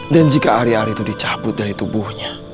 dan jika ari ari itu dicabut dari tubuhnya